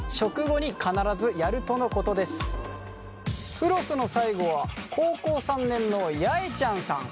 フロスの最後は高校３年のやえちゃんさん。